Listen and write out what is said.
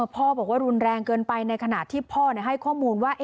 พ่อบอกว่ารุนแรงเกินไปในขณะที่พ่อให้ข้อมูลว่า